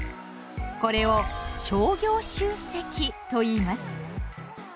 これを「商業集積」といいます。